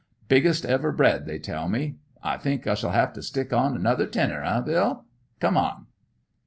Biggest ever bred, they tell me. I think I shall 'ave to stick on another tenner, eh, Bill? Come on!"